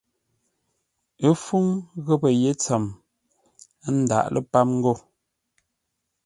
Ə́ fúŋ ghəpə́ yé ntsəm, ə́ ńdáʼ lə́ páp ńgó.